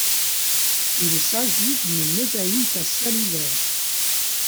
Il s'agit d'une mosaïque à ciel ouvert.